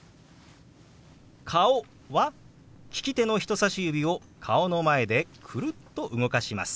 「顔」は利き手の人さし指を顔の前でくるっと動かします。